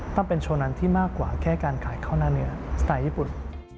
ต้องเป็นโชว์นั้นที่มากกว่าแค่การขายข้าวหน้าเนื้อสไตล์ญี่ปุ่น